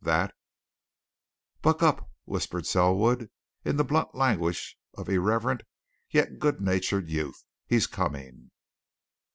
That "Buck up!" whispered Selwood, in the blunt language of irreverent, yet good natured, youth. "He's coming!"